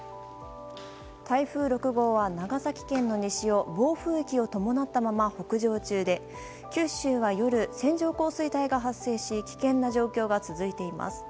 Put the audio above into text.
台風６号は長崎県の西を暴風域を伴ったまま北上中で九州は夜線状降水帯が発生し危険な状況が続いています。